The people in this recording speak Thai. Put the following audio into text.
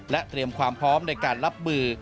เตรียมความพร้อมในการรับมือ